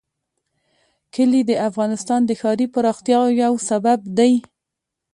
کلي د افغانستان د ښاري پراختیا یو سبب دی.